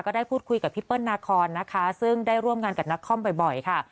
ได้พูดคุยกับพี่เปิ้ลนาคอนนะคะซึ่งได้ร่วมงานกับนักคอมบ่อยค่ะ